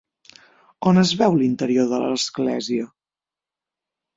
On es veu l'interior de l'església?